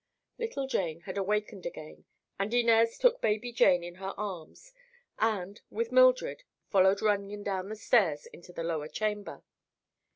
Little Jane had awakened again and Inez took baby Jane in her arms and, with Mildred, followed Runyon down the stairs into the lower chamber.